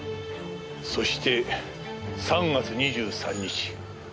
そして３月２３日